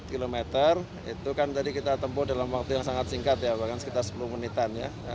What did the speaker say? dua puluh km itu kan tadi kita tempuh dalam waktu yang sangat singkat ya bahkan sekitar sepuluh menitan ya